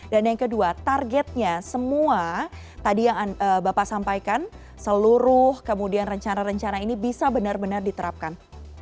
dan yang kedua targetnya semua tadi yang bapak sampaikan seluruh kemudian rencana rencana ini bisa benar benar diterapkan